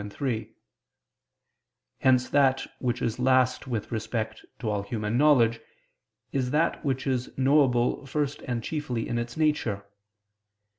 2, 3); hence that which is last with respect to all human knowledge, is that which is knowable first and chiefly in its nature.